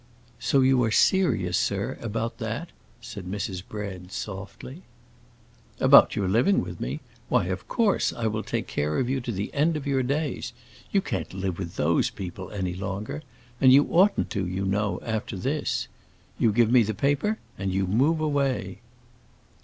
"So you are serious, sir, about that?" said Mrs. Bread, softly. "About your living with me? Why of course I will take care of you to the end of your days. You can't live with those people any longer. And you oughtn't to, you know, after this. You give me the paper, and you move away."